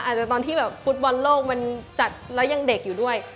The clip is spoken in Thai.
อาจจะตอนที่แบบฟุตบอลโลกมันจัดแล้วยังเด็กอยู่ด้วย